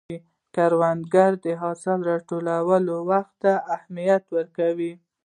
کروندګر د حاصل راټولولو وخت ته اهمیت ورکوي